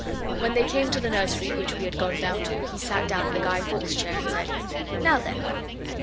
Then they came to the nursery which we had gone down to, and he sat down in the Guy Fawkes chair and said, 'Now then.